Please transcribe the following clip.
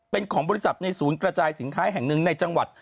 เป็นของบริษัทในศูนย์กระจายสินค้าแห่งหนึ่งในจังหวัด